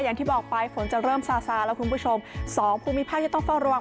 อย่างที่บอกไปฝนจะเริ่มซาซาแล้วคุณผู้ชมสองภูมิภาคจะต้องเฝ้าระวัง